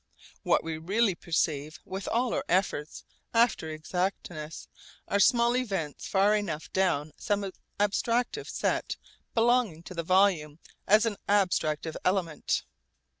What we really perceive with all our efforts after exactness are small events far enough down some abstractive set belonging to the volume as an abstractive element.